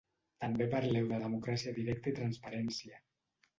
També parleu de democràcia directa i transparència.